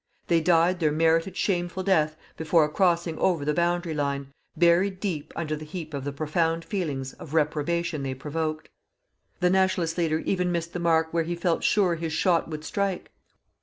They died their merited shameful death before crossing over the boundary line, buried deep under the heap of the profound feelings of reprobation they provoked. The Nationalist leader even missed the mark where he felt sure his shot would strike.